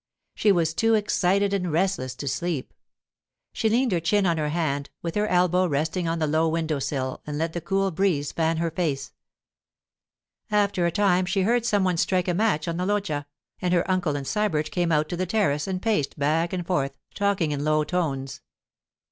She was too excited and restless to sleep. She leaned her chin on her hand, with her elbow resting on the low window sill, and let the cool breeze fan her face. After a time she heard some one strike a match on the loggia, and her uncle and Sybert came out to the terrace and paced back and forth, talking in low tones.